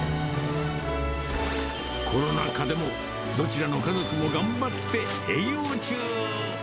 コロナ禍でも、どちらの家族も頑張って営業中。